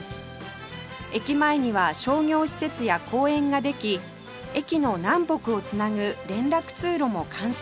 駅前には商業施設や公園ができ駅の南北を繋ぐ連絡通路も完成予定